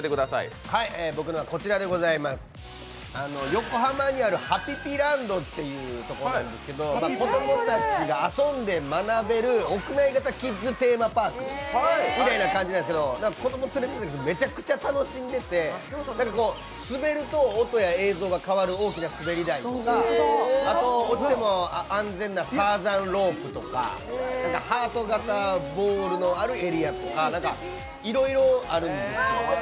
横浜にあるハピピランドというところなんですけど子供たちが遊んで学べる屋内型キッズテーマパークみたいなやつなんですけど子供連れていくと、めちゃくちゃ楽しんでいて、滑ると音や映像が変わる大きな滑り台とか、落ちても安全なターザンロープとかハート形ボールのあるエリアとかいろいろあるんですよ。